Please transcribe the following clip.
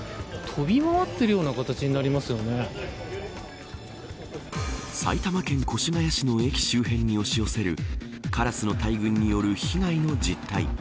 飛び回っているような形に埼玉県越谷市の駅周辺に押し寄せるカラスの大群による被害の実態。